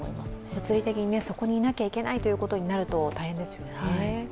物理的にそこにいなきゃいけないということになると大変ですよね。